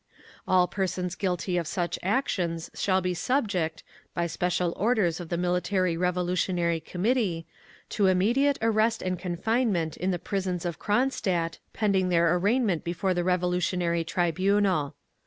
All persons guilty of such actions shall be subject, by special orders of the Military Revolutionary Committee, to immediate arrest and confinement in the prisons of Cronstadt, pending their arraignment before the Revolutionary Tribunal.